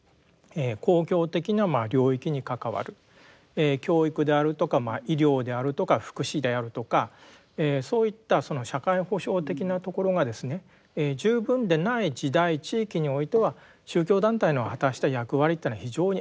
公共的な領域に関わる教育であるとかまあ医療であるとか福祉であるとかそういったその社会保障的なところが十分でない時代・地域においては宗教団体の果たした役割というのは非常にあったと思うんですね。